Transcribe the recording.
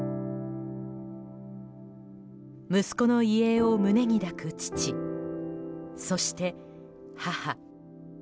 息子の遺影を胸に抱く父そして、母。